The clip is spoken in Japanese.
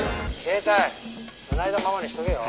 「携帯繋いだままにしとけよ」